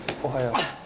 おはよう。